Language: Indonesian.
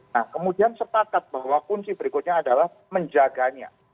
nah kemudian sepakat bahwa kunci berikutnya adalah menjaganya